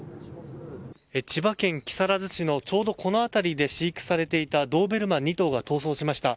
千葉県木更津市のちょうどこの辺りで飼育されていたドーベルマン２頭が逃走しました。